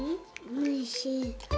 おいしい。